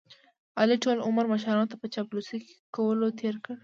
علي ټول عمر مشرانو ته په چاپلوسۍ کولو تېر کړ.